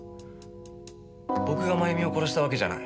僕がまゆみを殺したわけじゃない。